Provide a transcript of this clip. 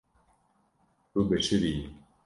Tu bişiriyî.